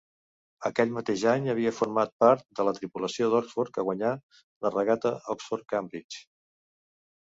Aquell mateix any havia format part de la tripulació d'Oxford que guanyà la Regata Oxford-Cambridge.